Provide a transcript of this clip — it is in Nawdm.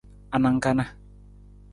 Anang kana?